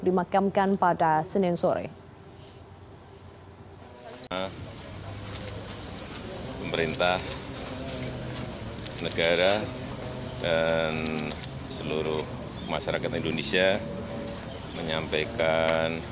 dimakamkan pada senin sore hai nah hai pemerintah negara dan seluruh masyarakat indonesia menyampaikan